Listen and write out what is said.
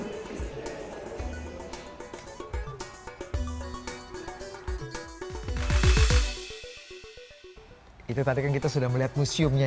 selamat pagi mas budi mbak buspa